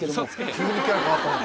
急にキャラ変わったな。